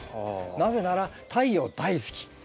なぜなら太陽大好き。